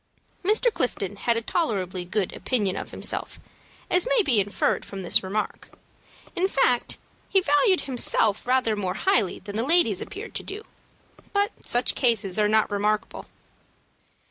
Mr. Clifton had a tolerably good opinion of himself, as may be inferred from this remark. In fact, he valued himself rather more highly than the ladies appeared to do; but such cases are not remarkable.